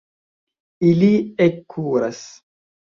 Ili ekkuras.